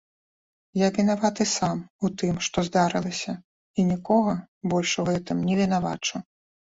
Я вінаваты сам у тым, што здарылася, і нікога больш у гэтым не вінавачу.